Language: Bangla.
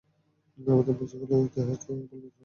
আমাদের মুছে ফেলা হবে ইতিহাস থেকে এবং ভুলে যাবে সবাই।